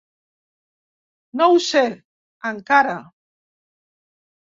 No ho sé, encara.